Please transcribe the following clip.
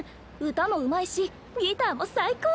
歌もうまいしギターも最高！